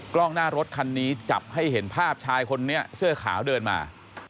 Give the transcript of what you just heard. กล้องหน้ารถคันนี้จับให้เห็นภาพชายคนนี้เสื้อขาวเดินมา